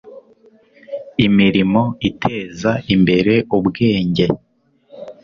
imirimo iteza imbere ubwenge